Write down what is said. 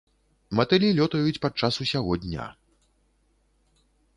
Матылі лётаюць падчас усяго дня.